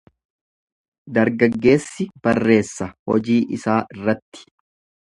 Dargaggeessi barreessa hojii isaa irratti.